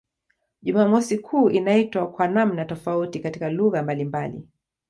Jumamosi kuu inaitwa kwa namna tofauti katika lugha mbalimbali.